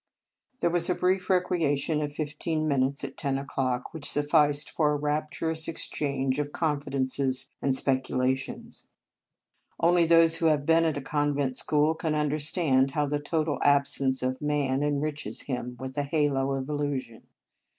There was a brief recreation of fifteen minutes at ten o clock, which sufficed for a rapturous exchange of confidences and speculations. Only 4 Marianus those who have been at a convent school can understand how the total absence of man enriches him with a halo of illusion.